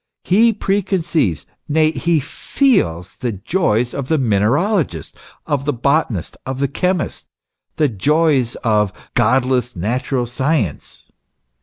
He preconceives, nay, he feels the joys of the mineralogist, of the botanist, of the chemist the joys of " godless Natural science."